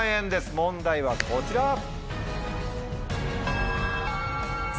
問題はこちら。